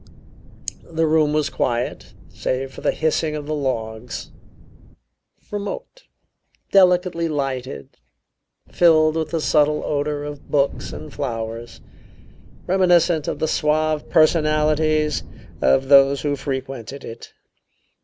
The room was quiet, save for the hissing of the logs; remote, delicately lighted, filled with the subtle odor of books and flowers; reminiscent of the suave personalities of those who frequented it.